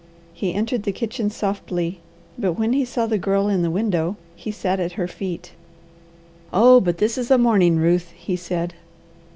He entered the kitchen softly, but when he saw the Girl in the window he sat at her feet. "Oh but this is a morning, Ruth!" he said.